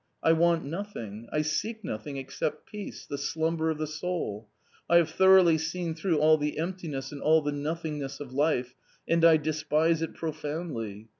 I want nothing, I seek nothing except peace, the slumber of the soul. I have thoroughly seen through all the emptiness and all the nothingness of life, and I despise it profoundly.